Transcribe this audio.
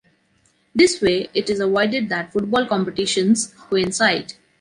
This way, it is avoided that football competitions coincide.